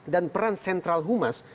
dan peran sentral humas